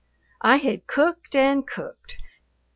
I had cooked and cooked.